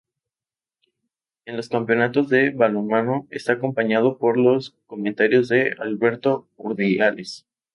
En los campeonatos de balonmano está acompañado por los comentarios de Alberto Urdiales.